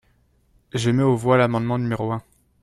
Je mets aux voix l’amendement numéro un.